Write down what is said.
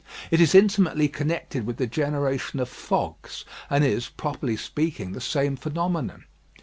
It is intimately connected with the generation of fogs, and is, properly speaking, the same phenomenon.